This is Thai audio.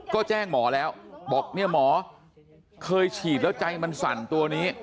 ก็แจ้งหมอแล้วบอกเนี่ยหมอเคยฉีดแล้วใจมันสั่นตัวนี้